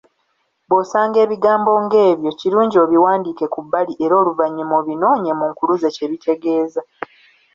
Bw’osanga ebigambo ng’ebyo, kirungi obiwandiike ku bbali era oluvannyuma obinoonye mu nkuluze kye bitegeeza.